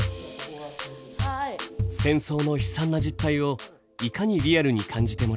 戦争の悲惨な実態をいかにリアルに感じてもらうか。